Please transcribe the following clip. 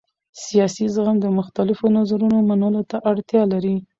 سیاسي زغم د مختلفو نظرونو منلو ته اړتیا لري